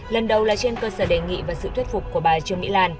lần đầu là trên cơ sở đề nghị và sự thuyết phục của bà trương mỹ lan